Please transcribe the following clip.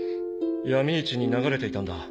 闇市に流れていたんだ。